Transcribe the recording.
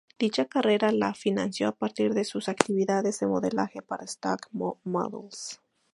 Dicha carrera la financió a partir de sus actividades de modelaje para Stock Models.